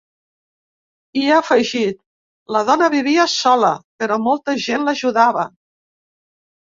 I ha afegit: La dona vivia sola, però molta gent l’ajudava.